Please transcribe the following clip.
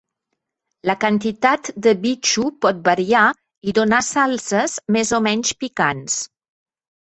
La quantitat de bitxo pot variar i donar salses més o menys picants.